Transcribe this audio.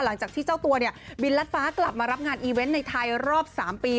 หลังจากที่เจ้าตัวเนี่ยบินรัดฟ้ากลับมารับงานอีเวนต์ในไทยรอบ๓ปี